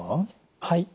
はい。